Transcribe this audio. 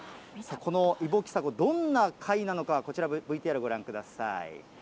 このイボキサゴ、どんな貝なのか、こちら、ＶＴＲをご覧ください。